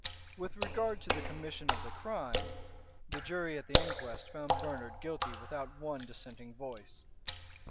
"With regard to the commission of the crime, the jury at the inquest found Bernard guilty without one dissenting voice.